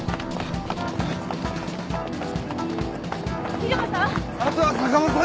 入間さん？